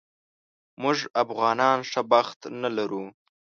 موږ افغانان ښه بخت نه لرو